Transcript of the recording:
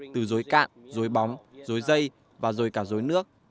từ dối cạn dối bóng dối dây và rồi cả dối nước